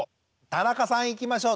田中さんいきましょう。